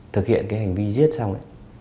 thực hiện cái hành vi giết xong